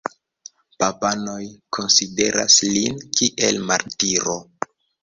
Babanoj konsideras lin kiel martiro.